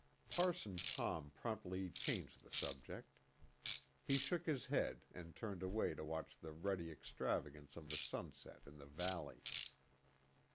Parson Tom promptly changed the subject. He shook his head and turned away to watch the ruddy extravagance of the sunset in the valley.